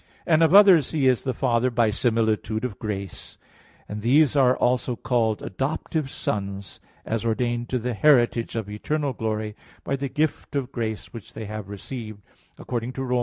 And of others He is the Father by similitude of grace, and these are also called adoptive sons, as ordained to the heritage of eternal glory by the gift of grace which they have received, according to Rom.